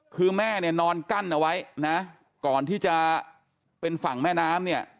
คือแม่เนี่ยนอนกั้นเอาไว้นะก่อนที่จะเป็นฝั่งแม่น้ำเนี่ย